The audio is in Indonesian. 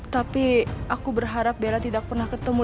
tapi aku berharap bella tidak pernah ketemu